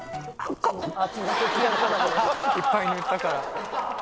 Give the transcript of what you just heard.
いっぱい塗ったから。